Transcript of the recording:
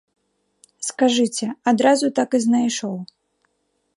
Скажыце, адразу так і знайшоў.